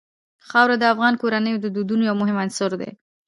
خاوره د افغان کورنیو د دودونو یو مهم عنصر دی.